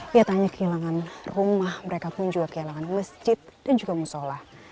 tidak hanya kehilangan rumah mereka pun juga kehilangan masjid dan juga musolah